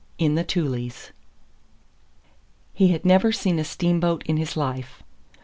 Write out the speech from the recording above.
IN THE TULES He had never seen a steamboat in his life.